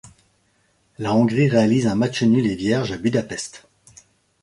La Hongrie réalise un match nul et vierge à Budapest.